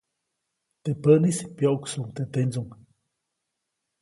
Teʼ päʼnis, pyoʼksuʼuŋ teʼ tendsuŋ.